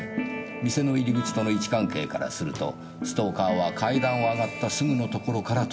店の入り口との位置関係からするとストーカーは階段を上がったすぐの所から盗撮しています。